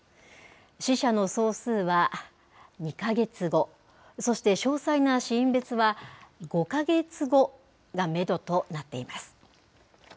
死者の総数は２か月後、そして詳細な死因別は５か月後がメドとなっています。